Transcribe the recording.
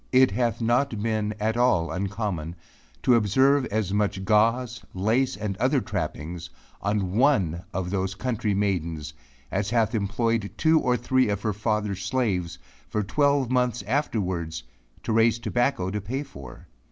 It hath not been at all uncommon to observe as much gauze, lace and other trappings, on one of those country maidens as hath employed two or three of her father's slaves, for twelve months afterwards, to raise tobacco to pay for.